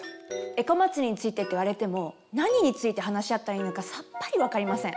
エコまつりについてって言われても何について話し合ったらいいのかさっぱりわかりません。